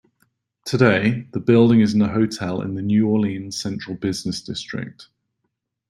Today, the building is a hotel in the New Orleans Central Business District.